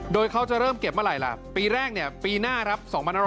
โดยเขาจะเริ่มเก็บเมื่อไหร่ล่ะปีแรกเนี่ยปีหน้าครับ